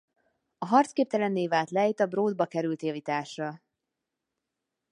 A harcképtelenné vált Leitha Bródba került javításra.